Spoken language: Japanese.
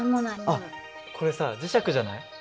あっこれさ磁石じゃない？